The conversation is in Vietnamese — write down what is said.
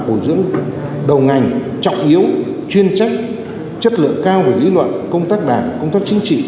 bồi dưỡng đầu ngành trọng yếu chuyên trách chất lượng cao về lý luận công tác đảng công tác chính trị